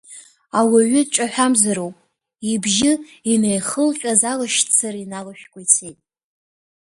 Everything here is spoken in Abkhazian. Ауаҩы дҿаҳәамзароуп ибжьы инеихылҟьаз алашьцара иналашәкәа ицеит.